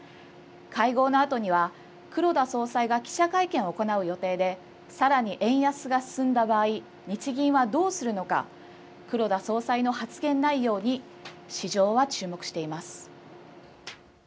会合のあとには黒田総裁が記者会見を行う予定でさらに円安が進んだ場合、日銀はどうするのか、黒田総裁の発言内容に市場は注目しています。